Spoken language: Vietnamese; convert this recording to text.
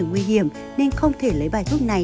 nguy hiểm nên không thể lấy bài thuốc này